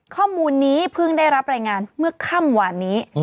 ข้อมูลนี้เพิ่งได้รับรายงานเมื่อค่ำวานนี้